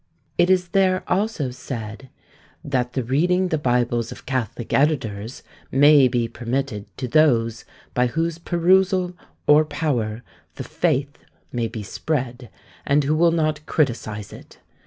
It is there also said, "That the reading the Bibles of catholic editors may be permitted to those by whose perusal or power the faith may be spread, and who will not criticise it.